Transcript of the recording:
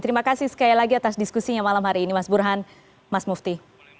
terima kasih sekali lagi atas diskusinya malam hari ini mas burhan mas mufti